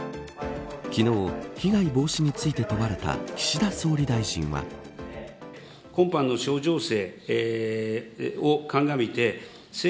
昨日、被害防止について問われた岸田総理大臣は。と、コメント。